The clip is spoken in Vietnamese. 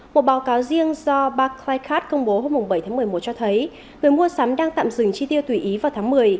một báo cáo riêng do barclaycard công bố hôm bảy tháng một mươi một cho thấy người mua sắm đang tạm dừng chi tiêu tùy ý vào tháng một mươi